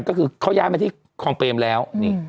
ก็คือเขาย้ายมาที่คลองเปรมแล้ว